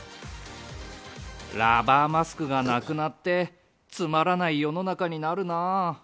ラバーマスクがなくなってつまらない世の中になるな。